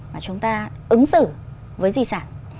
mà chúng ta ứng xử với di sản